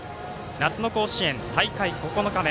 夏の甲子園、大会９日目。